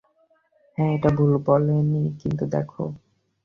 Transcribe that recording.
হ্যাঁ, এটা ভুল বলেনি, কিন্তু দেখো।